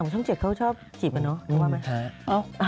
ช่อง๓ช่อง๗เขาชอบขีบนะเนอะ